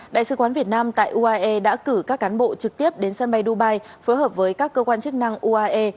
đại sứ quán việt nam tại uae đã cử các cán bộ trực tiếp đến sân bay dubai phối hợp với các cơ quan chức năng uae